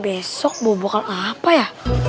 besok buah bohan apa ya